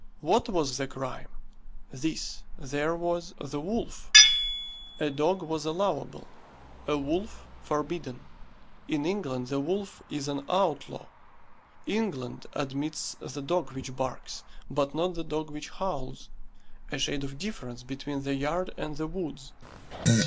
What was the crime? This: there was the wolf. A dog was allowable; a wolf forbidden. In England the wolf is an outlaw. England admits the dog which barks, but not the dog which howls a shade of difference between the yard and the woods.